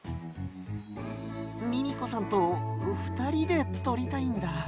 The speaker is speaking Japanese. ミミコさんとふたりでとりたいんだ。